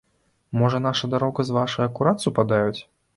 Можа, наша дарога з вашай акурат супадаюць?